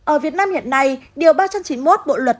ở việt nam hiện nay điều ba trăm chín mươi một bộ luật